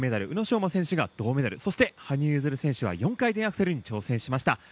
宇野昌磨選手が銅メダルそして羽生結弦選手は４回転アクセルに挑戦しました。